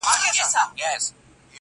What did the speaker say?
جـنــگ له فريادي ســــره